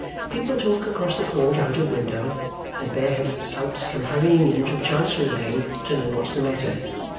People talk across the court out of window, and bare headed scouts come hurrying in from Chancery Lane to know what's the matter.